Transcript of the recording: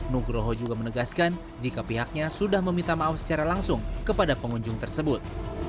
nugroho juga menegaskan jika pihaknya sudah meminta maaf secara langsung kepada pengunjung tersebut